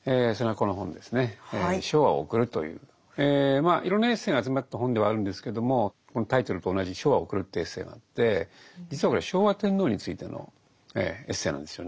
まあいろんなエッセイが集まった本ではあるんですけどもこのタイトルと同じ「『昭和』を送る」というエッセイがあって実はこれ昭和天皇についてのエッセイなんですよね。